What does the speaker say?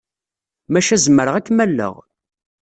Maca zemreɣ ad kem-alleɣ.